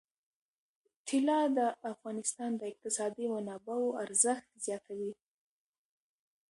طلا د افغانستان د اقتصادي منابعو ارزښت زیاتوي.